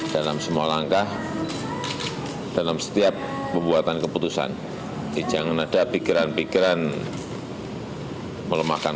dalam semua langkah dalam setiap pembuatan keputusan jangan ada pikiran pikiran melemahkan